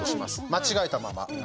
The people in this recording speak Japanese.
間違えたまま。